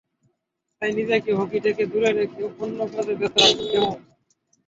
তাই নিজেকে হকি থেকে দূরে রেখে অন্য কাজে ব্যস্ত রাখি এখন।